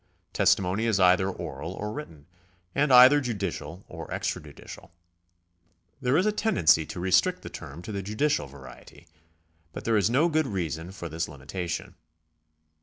Testimony is either oral or written, and either judicial or extrajudicial. There is a tendency to restrict the term to the judicial variety, but there is no good reason for this limitation.